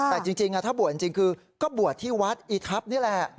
แต่จริงถ้าบวชจริงคือก็บวชที่วัดอีทัพนี่แหละ